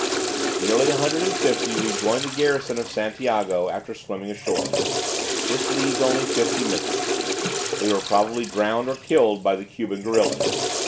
Nearly 150 rejoined the garrison of Santiago after swimming ashore. This leaves only fifty missing. They were probably drowned or killed by the Cuban guerillas.